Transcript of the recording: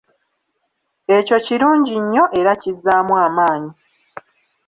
Ekyo kirungi nnyo era kizzaamu amaanyi..